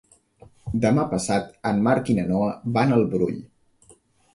Demà passat en Marc i na Noa van al Brull.